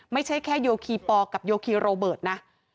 ไม่ใช่แค่โยคีปอลกับโยคีโรเบิร์ตนะ